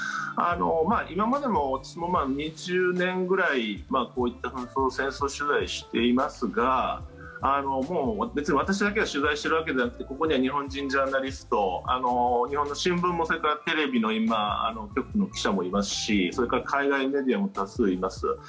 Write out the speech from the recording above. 今までも私も２０年ぐらいこういった紛争、戦争取材をしていますがもう別に私たちだけが取材してるだけじゃなくてここには日本人ジャーナリスト日本の新聞もテレビの局の記者もいますしそれから海外メディアも多数います。